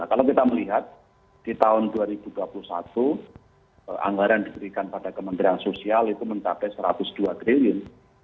kalau kita melihat di tahun dua ribu dua puluh satu anggaran diberikan pada kementerian sosial itu mencapai satu ratus dua triliun